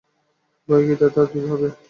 ভয় কী দাদা, দু-ই হবে!